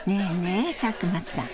え佐久間さん。